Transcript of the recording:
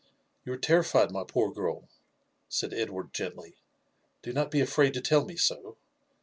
" You are terrified, my poor gifl," said Edward, gently; *' do not be afraid to tell me so.